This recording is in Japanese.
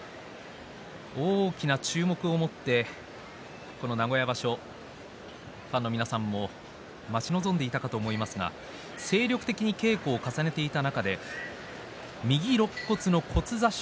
大きな注目を持ってこの名古屋場所ファンの皆さんも待ち望んでいたかと思いますが精力的に稽古を重ねていた中で右ろっ骨の骨挫傷。